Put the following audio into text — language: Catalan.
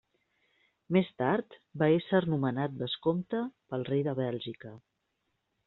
Més tard va esser nomenat vescomte pel Rei de Bèlgica.